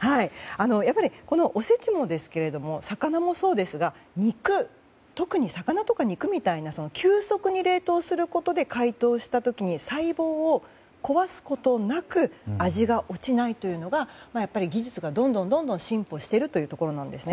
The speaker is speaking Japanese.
やっぱり、おせちもですが魚もそうですが特に魚とか肉みたいな急速に冷凍することで解凍した時に細胞を壊すことなく味が落ちないというのが技術がどんどん進歩しているところなんですね。